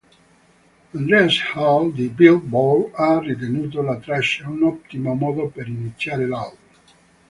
Andreas Hale di "Billboard" ha ritenuto la traccia un ottimo modo per iniziare l’album.